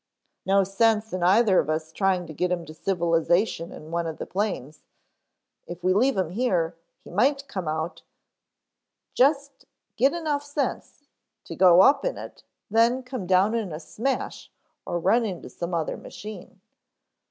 "No sense in either of us trying to get him to civilization in one of the planes. If we leave him here, he might come out, just get enough sense to go up in it, then come down in a smash or run into some other machine."